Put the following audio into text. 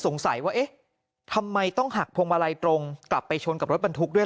สงสัยว่าเอ๊ะทำไมต้องหักพวงมาลัยตรงกลับไปชนกับรถบรรทุกด้วย